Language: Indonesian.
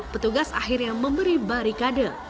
petugas akhirnya memberi barikade